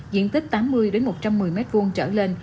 diện tích tám mươi một trăm một mươi m hai trở lên